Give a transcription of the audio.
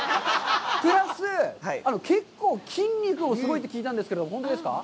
プラス、結構筋肉がすごいって聞いたんですけど、本当ですか。